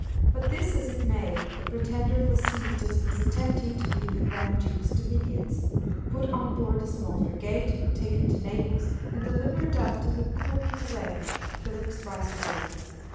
Be this as it may, the pretender was seized as he was attempting to leave the Grand Duke's dominions, put on board a small frigate, taken to Naples, and delivered up to the Conde de Lemos, Philip's viceroy.